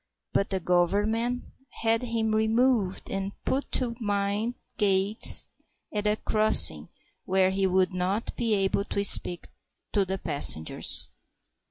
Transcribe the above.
but the Government had him removed and put to mind gates at a crossing where he would not be able to speak to the passengers.